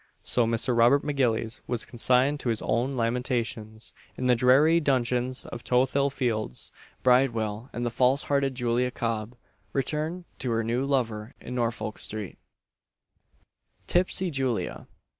So Mr. Robert M'Gillies was consigned to his own lamentations in the dreary dungeons of Tothill fields' Bridewell, and the false hearted Julia Cob returned to her new lover in Norfolk street. TIPSY JULIA.